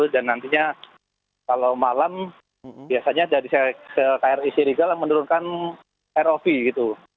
dan nantinya kalau malam biasanya dari kri serigala menurunkan rov gitu